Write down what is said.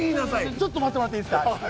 ちょっと待ってもらっていいですか？